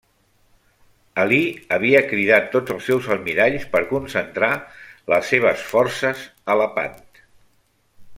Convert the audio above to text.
Alí havia cridat tots els seus almiralls per concentrar les seves forces a Lepant.